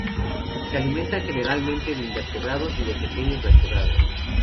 Se alimentan generalmente de invertebrados y de pequeños vertebrados.